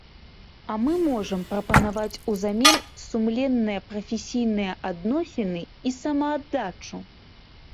А мы можам прапанаваць узамен сумленныя прафесійныя адносіны і самааддачу.